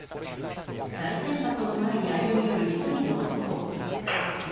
さい銭箱の前に歩み寄る一人の男。